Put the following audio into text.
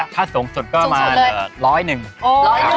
ถ้าสูงสุดก็มาเหลือ๑๐๐บาท